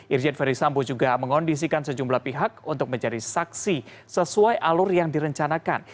irjen ferdisambo juga mengondisikan sejumlah pihak untuk menjadi saksi sesuai alur yang direncanakan